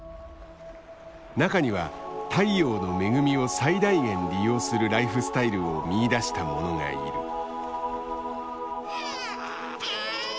中には太陽の恵みを最大限利用するライフスタイルを見いだしたものがいる。